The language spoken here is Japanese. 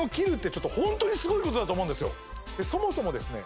そもそもですね